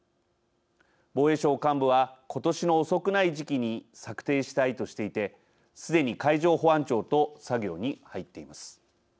防衛省幹部は今年の遅くない時期に策定したいとしていてすでに海上保安庁と作業に入っています。